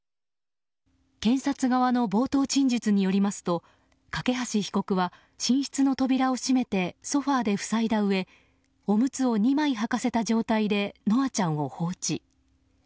検察側の冒頭陳述によりますと梯被告は寝室の扉を閉めてソファで塞いだうえおむつを２枚はかせた状態で稀華ちゃんを放置。